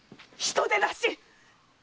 人でなし！